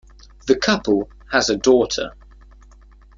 The couple has a daughter.